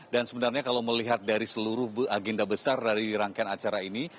sebenarnya kalau melihat dari seluruh agenda besar dari rangkaian acara ini